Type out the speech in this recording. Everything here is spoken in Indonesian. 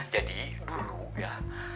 jadi dulu ya